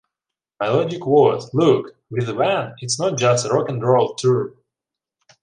My logic was, 'Look, with Van it's not just a rock and roll tour.